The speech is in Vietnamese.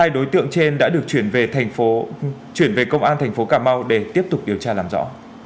hai đối tượng trên đã được chuyển về công an thành phố cà mau để tiếp tục điều tra làm rõ